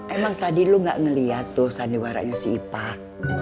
emang tadi lo gak ngeliat tuh sandiwara si ipak